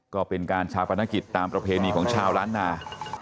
ก็เป็นการชาปนกิจตามประเพณีของชาวล้านนา